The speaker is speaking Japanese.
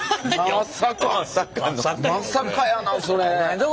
まさかまさかやなそれ。